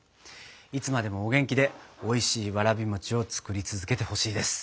いつまでもお元気でおいしいわらび餅を作り続けてほしいです。